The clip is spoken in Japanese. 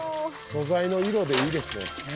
素材の色でいいですね。